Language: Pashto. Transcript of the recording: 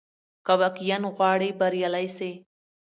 که واقعاً غواړې بریالی سې،